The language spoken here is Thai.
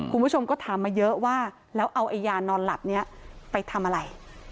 คุณผู้ชมก็ถามมาเยอะว่าแล้วเอาไอ้ยานอนหลับนี้ไปทำอะไร